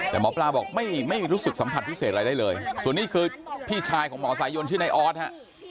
แต่หมอปลาบอกไม่รู้สึกสัมผัสพิเศษอะไรได้เลยส่วนนี้คือพี่ชายของหมอสายยนชื่อนายออสฮะ